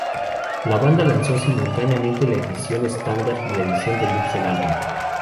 La banda lanzó simultáneamente la edición estándar y la edición deluxe del álbum.